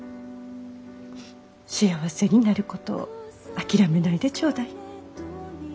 幸せになることを諦めないでちょうだい。